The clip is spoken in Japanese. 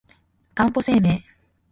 かんぽ生命